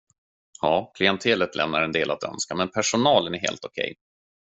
Ja, klientelet lämnar en del att önska men personalen är helt okej.